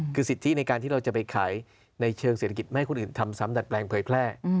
คือสิทธิในการที่เราจะไปขายในเชิงเศรษฐกิจไม่ให้คนอื่นทำซ้ำดัดแปลงเผยแพร่